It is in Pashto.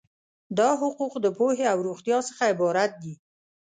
دا حقوق د پوهې او روغتیا څخه عبارت دي.